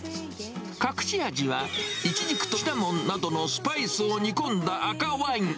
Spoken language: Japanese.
隠し味は、イチジクとシナモンなどのスパイスを煮込んだ赤ワイン。